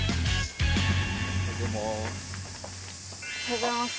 おはようございます。